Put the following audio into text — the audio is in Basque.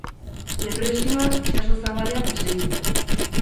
Depresioa itsaso zabalean desegin zen.